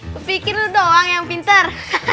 kupikir lu doang yang pinter